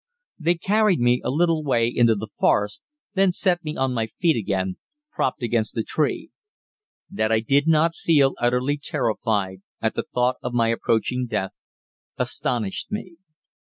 They carried me a little way into the forest, then set me on my feet again, propped against a tree. That I did not feel utterly terrified at the thought of my approaching death astonished me.